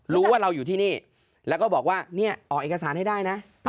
รู้ว่าเราอยู่ที่นี่แล้วก็บอกว่าเนี่ยออกเอกสารให้ได้นะ